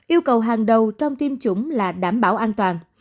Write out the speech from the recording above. yêu cầu hàng đầu trong tiêm chủng là đảm bảo an toàn